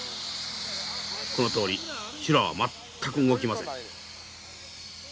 このとおり修羅は全く動きません。